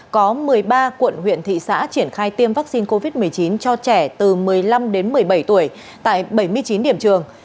có một mươi ba quận huyện thị xã triển khai tiêm vaccine covid một mươi chín cho trẻ từ một mươi năm đến một mươi bảy tuổi tại bảy mươi chín điểm trường